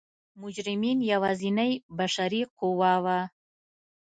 مجرمین یوازینۍ بشري قوه وه.